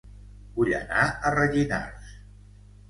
Vull anar a Rellinars